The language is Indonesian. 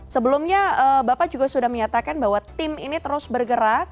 sebelumnya bapak juga sudah menyatakan bahwa tim ini terus bergerak